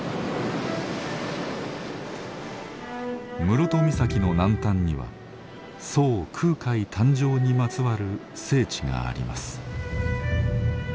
室戸岬の南端には僧空海誕生にまつわる聖地があります。